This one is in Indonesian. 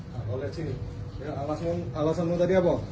nah kalau lihat sini alasannya tadi apa